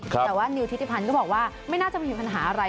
แต่ว่านิวทิติพันธ์ก็บอกว่าไม่น่าจะมีปัญหาอะไร